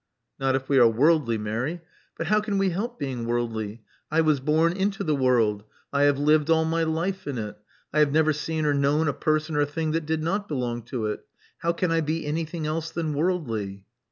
Not if we are worldly, Mary." But how can we help being worldly? I was born into the world : I have lived all my life in it : I have never seen or known a person or thing that did not ' belong to it. How can I be anything else than wordly?"